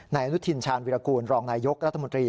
อนุทินชาญวิรากูลรองนายยกรัฐมนตรี